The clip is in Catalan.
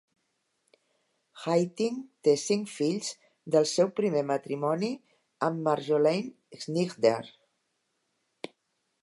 Haitink té cinc fills del seu primer matrimoni amb Marjolein Snijder.